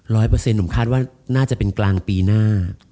เปอร์เซ็นหนุ่มคาดว่าน่าจะเป็นกลางปีหน้า